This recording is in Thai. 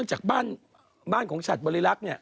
จากบ้านของชัดบริลักษณ์